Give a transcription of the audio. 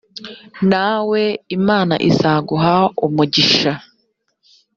nawe imana izaguha umugisha